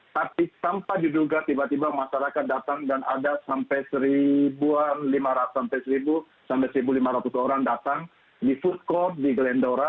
tapi tanpa diduga tiba tiba masyarakat datang dan ada sampai seribuan lima ratus sampai seribu sampai seribu lima ratus orang datang di food court di glendora